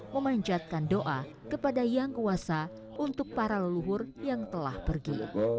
memanjatkan doa kepada yang kuasa untuk para leluhur yang telah pergi